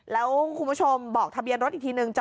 แล้วคุณผู้ชมบอกทะเบียนรถอีกทีนึง